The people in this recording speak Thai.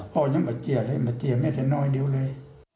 ป่วยังบรรเจียเลยบรรเจียไม่เท่าน้อยเดียวเลย